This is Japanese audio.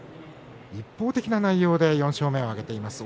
一方的な内容で４勝目を挙げています。